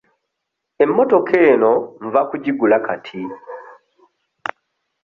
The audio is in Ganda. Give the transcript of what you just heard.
Emmotoka eno nva kugigula kati.